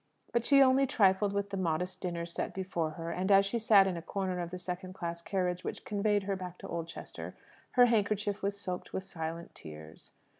But she only trifled with the modest dinner set before her; and, as she sat in a corner of the second class carriage which conveyed her back to Oldchester, her handkerchief was soaked with silent tears.